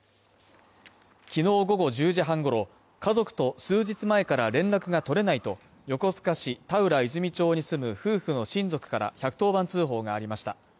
きのう午後１０時半ごろ家族と数日前から連絡が取れないと横須賀市田浦泉町に住む夫婦の親族から１１０番通報がありました。